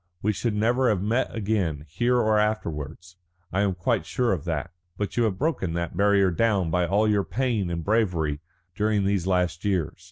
We should never have met again here or afterwards. I am quite sure of that. But you have broken the barrier down by all your pain and bravery during these last years.